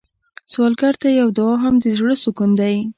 سوالګر ته یو دعا هم د زړه سکون دی